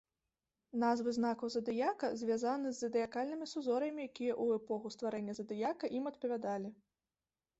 Назвы знакаў задыяка звязаны з задыякальнымі сузор'ямі, якія ў эпоху стварэння задыяка ім адпавядалі.